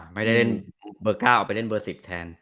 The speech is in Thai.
ไม่ได้เล่นเบอร์๙เอาไปเล่นเบอร์๑๐แทน